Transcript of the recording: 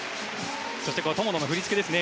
そして友野の振り付けですね。